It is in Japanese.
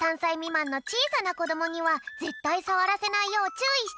まんのちいさなこどもにはぜったいさわらせないようちゅういしてね！